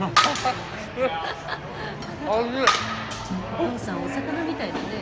お父さんお魚みたいだね。